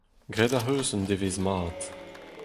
Graet ac'h eus un devezh mat !